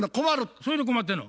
それで困ってんの？